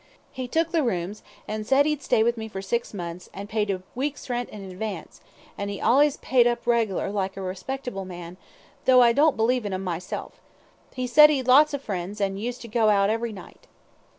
"He took the rooms, an' said 'e'd stay with me for six months, an' paid a week's rent in advance, an' 'e allays paid up reg'ler like a respectable man, tho' I don't believe in 'em myself. He said 'e'd lots of friends, an' used to go out every night."